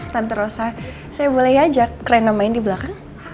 tante rosa saya boleh aja keren namain di belakang